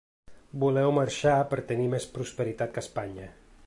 Voleu marxar per tenir més prosperitat que a Espanya.